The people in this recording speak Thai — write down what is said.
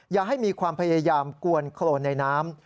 อย่าให้มีความพยายามกวนโครนในน้ำ